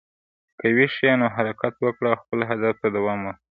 که ویښ یې، نو حرکت وکړه او خپلې هدف ته دوام ورکړه.